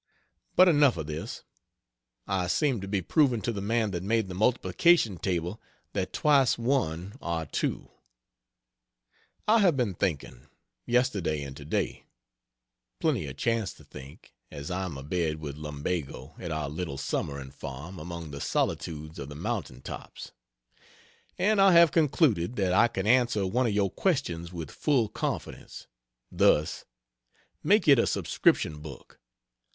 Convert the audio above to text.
But enough of this; I seem to be proving to the man that made the multiplication table that twice one are two. I have been thinking, yesterday and to day (plenty of chance to think, as I am abed with lumbago at our little summering farm among the solitudes of the Mountaintops,) and I have concluded that I can answer one of your questions with full confidence thus: Make it a subscription book.